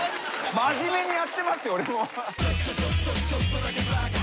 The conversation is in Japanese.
真面目にやってますよ俺も。